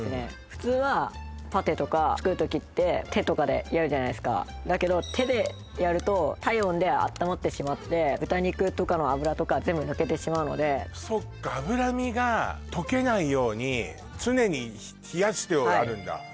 普通はパテとか作る時って手とかでやるじゃないですかだけど手でやると体温であったまってしまって豚肉とかの脂とか全部抜けてしまうのでそっか脂身が溶けないように常に冷やしてあるんだは